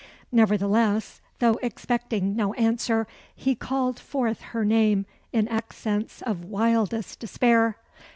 Nevertheless, though expecting no answer, he called forth her name in accents of wildest despair.